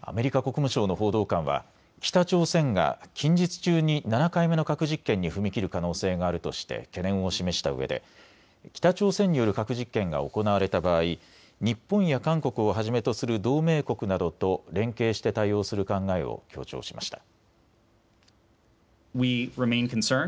アメリカ国務省の報道官は北朝鮮が近日中に７回目の核実験に踏み切る可能性があるとして懸念を示したうえで北朝鮮による核実験が行われた場合、日本や韓国をはじめとする同盟国などと連携して対応する考えを強調しました。